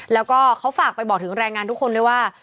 แล้วก็เขาฝากไปบอกถึงแรงงานว่า